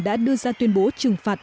đã đưa ra tuyên bố trừng phạt